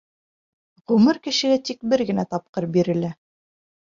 Ғүмер кешегә тик бер генә тапҡыр бирелә...